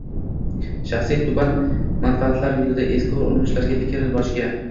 – shaxsiy, tuban manfaatlar yo‘lida ezgu urinishlarga, fikr rivojiga